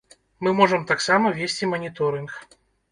Мы можам таксама весці маніторынг.